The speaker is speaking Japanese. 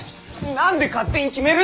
何で勝手に決めるんじゃ！